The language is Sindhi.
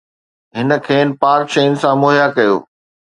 هن کين پاڪ شين سان مهيا ڪيو